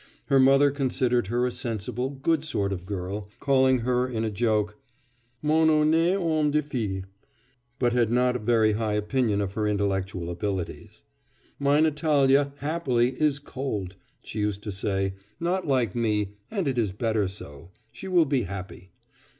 Her mother considered her a sensible, good sort of girl, calling her in a joke 'mon honnête homme de fille' but had not a very high opinion of her intellectual abilities. 'My Natalya happily is cold,' she used to say, 'not like me and it is better so. She will be happy.